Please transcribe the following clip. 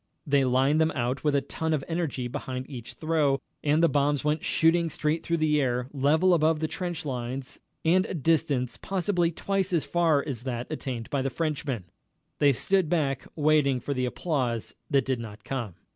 They lined them out with a ton of energy behind each throw, and the bombs went shooting straight through the air, level above the trench lines, and a distance possibly twice as far as that attained by the Frenchmen. They stood back waiting for the applause that did not come.